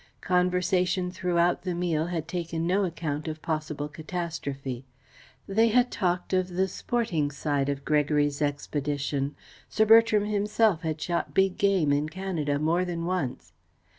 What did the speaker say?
Conversation throughout the meal had taken no account of possible catastrophe. They had talked of the sporting side of Gregory's expedition; Sir Bertram himself had shot big game in Canada more than once.